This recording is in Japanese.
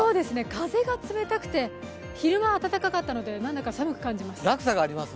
風が冷たくて、昼間暖かかったので何だか寒く感じます。